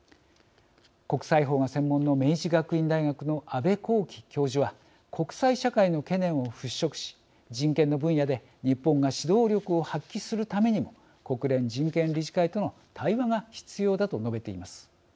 国際法が専門の明治学院大学の阿部浩己教授は国際社会の懸念を払拭し人権の分野で日本が指導力を発揮するためにも国連人権理事会との対話が必要だと述べています。